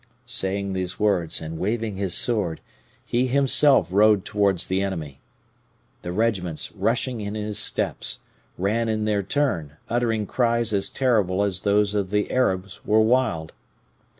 "Saying these words and waving his sword, he himself rode towards the enemy. The regiments, rushing in his steps, ran in their turn, uttering cries as terrible as those of the Arabs were wild.